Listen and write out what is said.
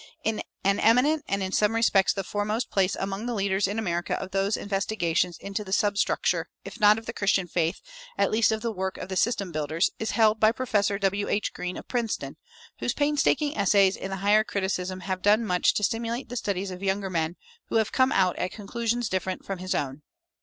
An eminent, and in some respects the foremost, place among the leaders in America of these investigations into the substructure, if not of the Christian faith, at least of the work of the system builders, is held by Professor W. H. Green, of Princeton, whose painstaking essays in the higher criticism have done much to stimulate the studies of younger men who have come out at conclusions different from his own.